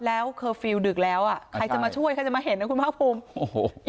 แล้วเคอร์ฟิลลดึกแล้วอ่ะใครจะมาช่วยใครจะมาเห็นนะคุณภาคภูมิโอ้โห